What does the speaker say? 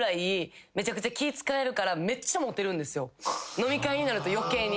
飲み会になると余計に。